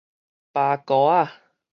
巴糊仔